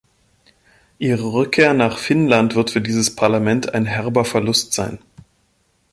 Ihre Rückkehr nach Finnland wird für dieses Parlament ein herber Verlust sein.